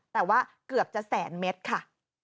แต่ว่าเกือบจะแสนเมตรค่ะ